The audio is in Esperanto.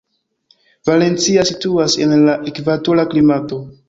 Valencia situas en la ekvatora klimato.